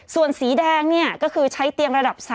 ส่วนสีแดงเนี่ยก็คือใช้เตียงระดับ๓